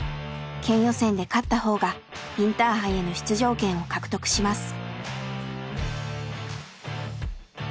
県予選で勝った方がインターハイへの出場権を獲得します。